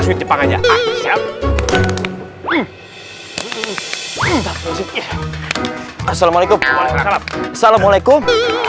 assalamualaikum assalamualaikum assalamualaikum